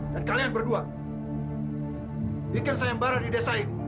dan kalian berdua pikir saya mbarah di desa ini